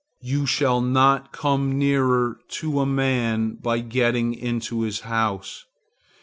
You shall not come nearer a man by getting into his house.